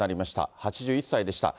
８１歳でした。